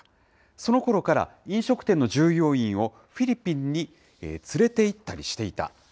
そのころから飲食店の従業員をフィリピンに連れていったりしていた。